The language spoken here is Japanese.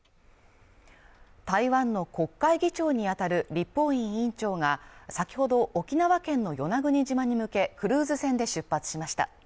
台湾の国会議長に当たる立法院院長が先ほど沖縄県の与那国島に向け、クルーズ船で出発しました。